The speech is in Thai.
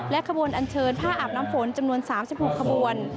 ขบวนอันเชิญผ้าอาบน้ำฝนจำนวน๓๖ขบวน